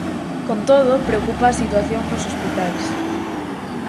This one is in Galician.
Con todo, preocupa a situación nos hospitais.